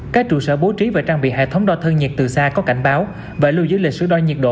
các trụ sở bố trí và trang bị hệ thống đo thân nhiệt từ xa có cảnh báo và lưu giữ lịch sử đo nhiệt độ